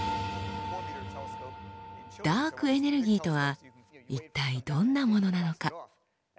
ダークエネルギーとは一体どんなものなのか。